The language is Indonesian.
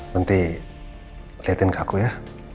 nanti lihatin ke aku ya